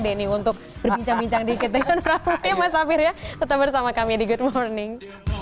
denny untuk berbincang bincang dikit dengan pramuka mas amir ya tetap bersama kami di good morning